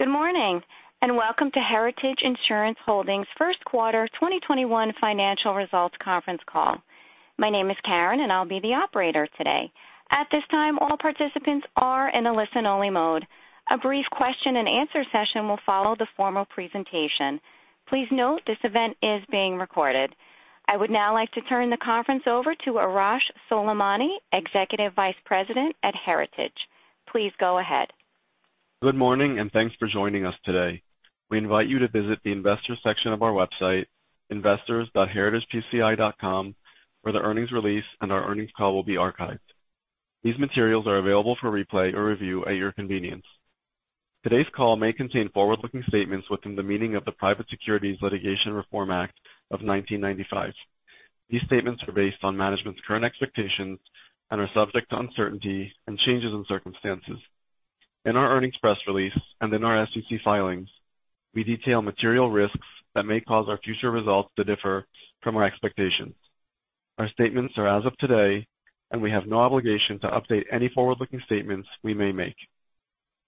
Good morning, welcome to Heritage Insurance Holdings' first quarter 2021 financial results conference call. My name is Karen, I'll be the operator today. At this time, all participants are in a listen-only mode. A brief question and answer session will follow the formal presentation. Please note this event is being recorded. I would now like to turn the conference over to Arash Soleimani, Executive Vice President at Heritage. Please go ahead. Good morning, thanks for joining us today. We invite you to visit the investors section of our website, investors.heritagepci.com, where the earnings release and our earnings call will be archived. These materials are available for replay or review at your convenience. Today's call may contain forward-looking statements within the meaning of the Private Securities Litigation Reform Act of 1995. These statements are based on management's current expectations and are subject to uncertainty and changes in circumstances. In our earnings press release and in our SEC filings, we detail material risks that may cause our future results to differ from our expectations. Our statements are as of today, we have no obligation to update any forward-looking statements we may make.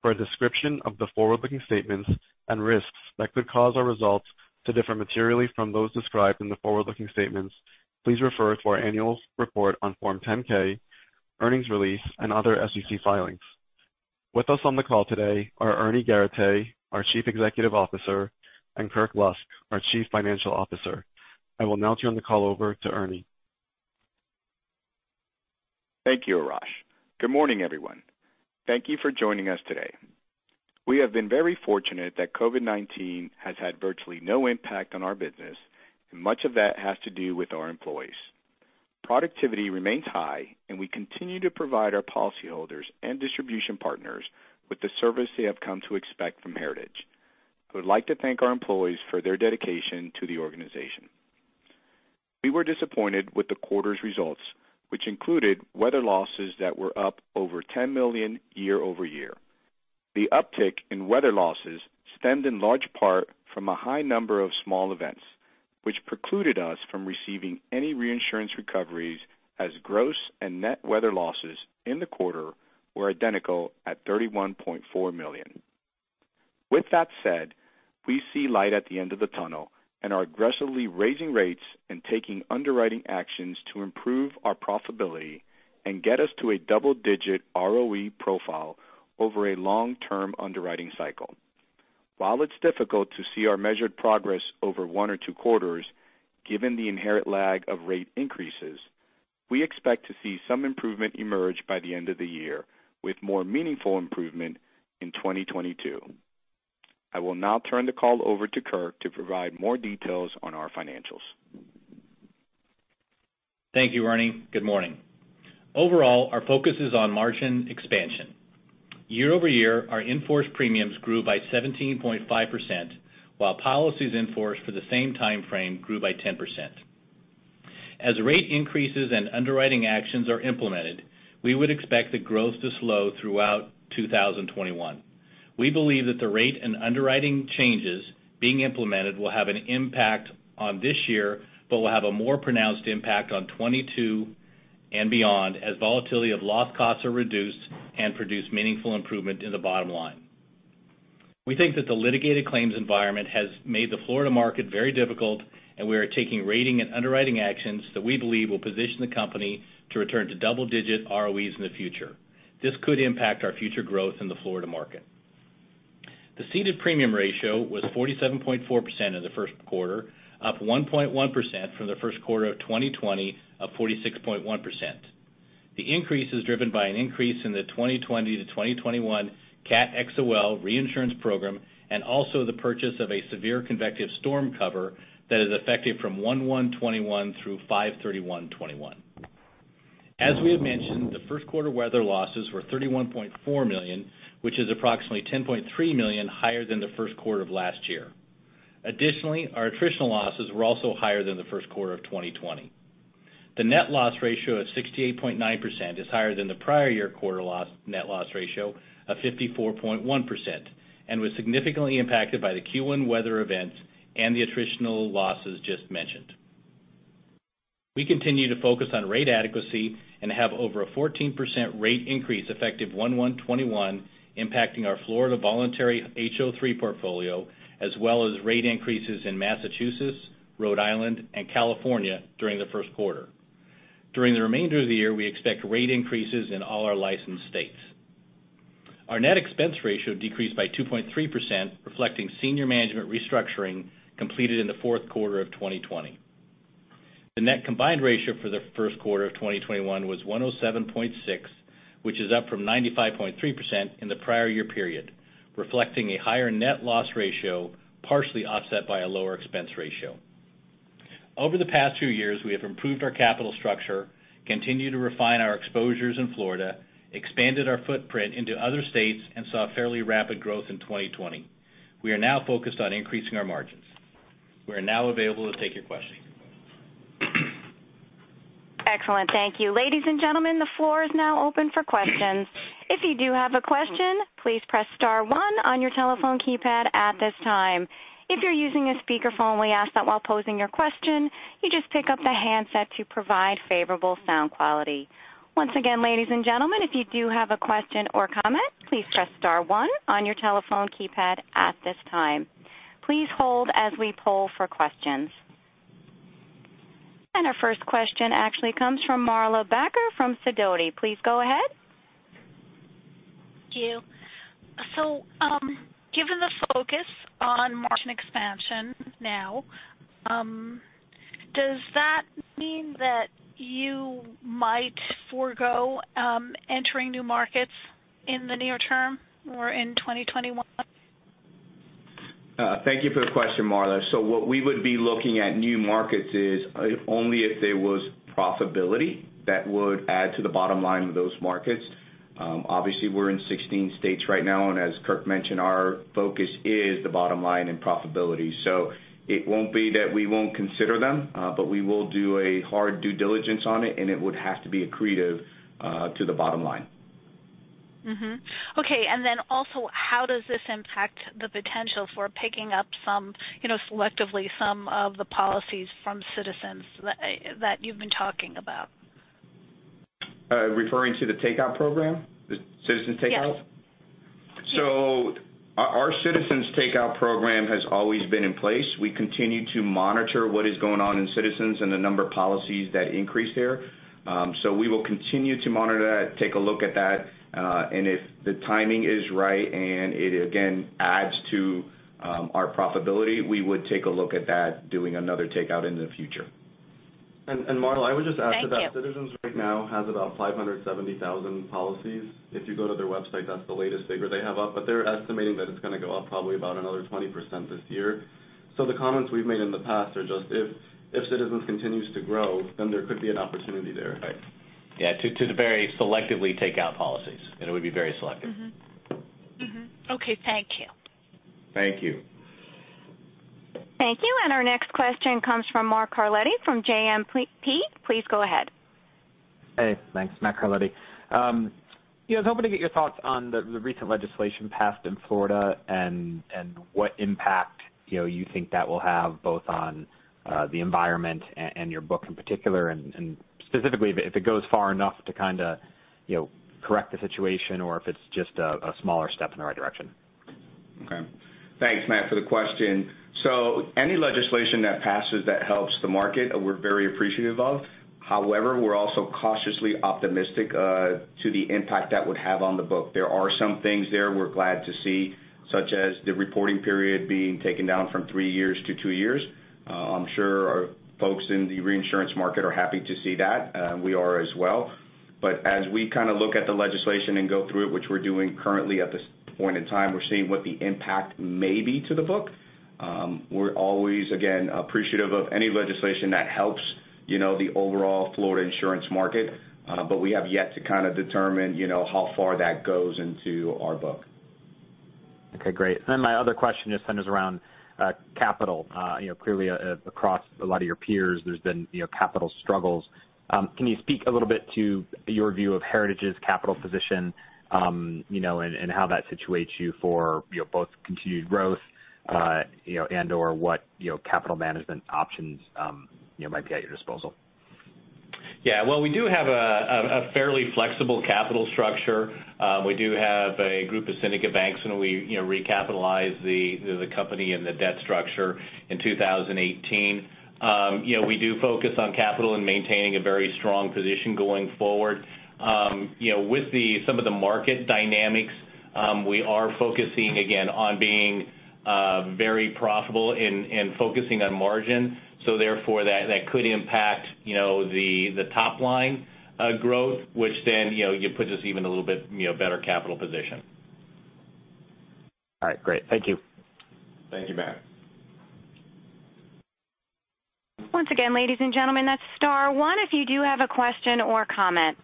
For a description of the forward-looking statements and risks that could cause our results to differ materially from those described in the forward-looking statements, please refer to our annual report on Form 10-K, earnings release, and other SEC filings. With us on the call today are Ernie Garateix, our Chief Executive Officer, and Kirk Lusk, our Chief Financial Officer. I will now turn the call over to Ernie. Thank you, Arash. Good morning, everyone. Thank you for joining us today. We have been very fortunate that COVID-19 has had virtually no impact on our business, much of that has to do with our employees. Productivity remains high, we continue to provide our policyholders and distribution partners with the service they have come to expect from Heritage. We would like to thank our employees for their dedication to the organization. We were disappointed with the quarter's results, which included weather losses that were up over $10 million year-over-year. The uptick in weather losses stemmed in large part from a high number of small events, which precluded us from receiving any reinsurance recoveries as gross and net weather losses in the quarter were identical at $31.4 million. With that said, we see light at the end of the tunnel and are aggressively raising rates and taking underwriting actions to improve our profitability and get us to a double-digit ROE profile over a long-term underwriting cycle. While it's difficult to see our measured progress over one or two quarters, given the inherent lag of rate increases, we expect to see some improvement emerge by the end of the year, with more meaningful improvement in 2022. I will now turn the call over to Kirk to provide more details on our financials. Thank you, Ernie. Good morning. Overall, our focus is on margin expansion. Year-over-year, our in-force premiums grew by 17.5%, while policies in force for the same time frame grew by 10%. As rate increases and underwriting actions are implemented, we would expect the growth to slow throughout 2021. We believe that the rate and underwriting changes being implemented will have an impact on this year, but will have a more pronounced impact on 2022 and beyond as volatility of loss costs are reduced and produce meaningful improvement in the bottom line. We think that the litigated claims environment has made the Florida market very difficult, and we are taking rating and underwriting actions that we believe will position the company to return to double-digit ROEs in the future. This could impact our future growth in the Florida market. The ceded premium ratio was 47.4% in the first quarter, up 1.1% from the first quarter of 2020 of 46.1%. The increase is driven by an increase in the 2020 to 2021 Cat XOL reinsurance program and also the purchase of a severe convective storm cover that is effective from 1/1/2021 through 5/31/2021. As we have mentioned, the first quarter weather losses were $31.4 million, which is approximately $10.3 million higher than the first quarter of last year. Additionally, our attritional losses were also higher than the first quarter of 2020. The net loss ratio of 68.9% is higher than the prior year quarter net loss ratio of 54.1% and was significantly impacted by the Q1 weather events and the attritional losses just mentioned. We continue to focus on rate adequacy and have over a 14% rate increase effective 1/1/2021 impacting our Florida voluntary HO3 portfolio as well as rate increases in Massachusetts, Rhode Island, and California during the first quarter. During the remainder of the year, we expect rate increases in all our licensed states. Our net expense ratio decreased by 2.3%, reflecting senior management restructuring completed in the fourth quarter of 2020. The net combined ratio for the first quarter of 2021 was 107.6%, which is up from 95.3% in the prior year period, reflecting a higher net loss ratio, partially offset by a lower expense ratio. Over the past two years, we have improved our capital structure, continued to refine our exposures in Florida, expanded our footprint into other states, and saw fairly rapid growth in 2020. We are now focused on increasing our margins. We are now available to take your questions. Excellent. Thank you. Ladies and gentlemen, the floor is now open for questions. If you do have a question, please press star 1 on your telephone keypad at this time. If you're using a speakerphone, we ask that while posing your question, you just pick up the handset to provide favorable sound quality. Once again, ladies and gentlemen, if you do have a question or comment, please press star 1 on your telephone keypad at this time. Please hold as we poll for questions. Our first question actually comes from Mark Becker from Sidoti. Please go ahead. Thank you. Given the focus on margin expansion now, does that mean that you might forego entering new markets in the near term or in 2021? Thank you for the question, Mark. What we would be looking at new markets is only if there was profitability that would add to the bottom line of those markets. Obviously, we're in 16 states right now, and as Kirk mentioned, our focus is the bottom line and profitability. It won't be that we won't consider them, but we will do a hard due diligence on it, and it would have to be accretive to the bottom line. Okay. How does this impact the potential for picking up, selectively, some of the policies from Citizens that you've been talking about? Referring to the takeout program? The Citizens takeout? Yes. Our Citizens takeout program has always been in place. We continue to monitor what is going on in Citizens and the number of policies that increase there. We will continue to monitor that, take a look at that, and if the timing is right and it again adds to our profitability, we would take a look at that, doing another takeout in the future. Mark, I would just add to that, Citizens right now has about 570,000 policies. If you go to their website, that's the latest figure they have up, but they're estimating that it's going to go up probably about another 20% this year. The comments we've made in the past are just if Citizens continues to grow, then there could be an opportunity there. Right. Yeah, to very selectively take out policies. It would be very selective. Mm-hmm. Okay. Thank you. Thank you. Thank you. Our next question comes from Matt Carletti from JMP. Please go ahead. Hey, thanks. Matthew Carletti. I was hoping to get your thoughts on the recent legislation passed in Florida and what impact you think that will have both on the environment and your book in particular, and specifically, if it goes far enough to correct the situation or if it's just a smaller step in the right direction. Okay. Thanks, Matt, for the question. Any legislation that passes that helps the market, we're very appreciative of. However, we're also cautiously optimistic to the impact that would have on the book. There are some things there we're glad to see, such as the reporting period being taken down from three years to two years. I'm sure our folks in the reinsurance market are happy to see that. We are as well. As we look at the legislation and go through it, which we're doing currently at this point in time, we're seeing what the impact may be to the book. We're always, again, appreciative of any legislation that helps the overall Florida insurance market. We have yet to determine how far that goes into our book. Okay, great. My other question just centers around capital. Clearly, across a lot of your peers, there's been capital struggles. Can you speak a little bit to your view of Heritage's capital position, and how that situates you for both continued growth and/or what capital management options might be at your disposal? Yeah. Well, we do have a fairly flexible capital structure. We do have a group of syndicate banks, and we recapitalized the company and the debt structure in 2018. We do focus on capital and maintaining a very strong position going forward. With some of the market dynamics, we are focusing again on being very profitable and focusing on margin. Therefore, that could impact the top-line growth, which then puts us even a little bit better capital position. All right, great. Thank you. Thank you, Matt. Once again, ladies and gentlemen, that's star one if you do have a question or comment.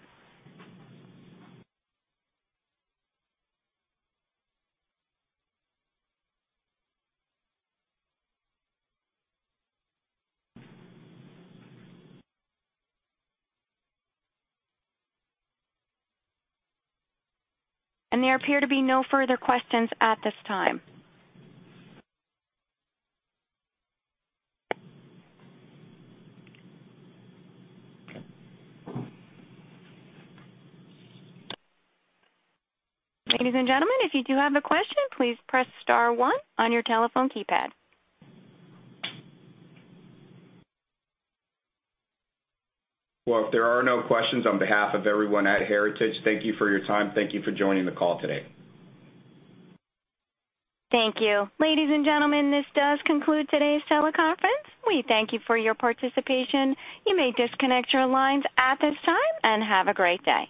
There appear to be no further questions at this time. Ladies and gentlemen, if you do have a question, please press star one on your telephone keypad. If there are no questions, on behalf of everyone at Heritage, thank you for your time. Thank you for joining the call today. Thank you. Ladies and gentlemen, this does conclude today's teleconference. We thank you for your participation. You may disconnect your lines at this time. Have a great day.